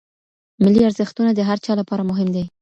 ملي ارزښتونه د هر چا لپاره محترم دي.